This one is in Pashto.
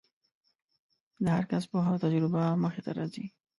د هر کس پوهه او تجربه مخې ته راځي.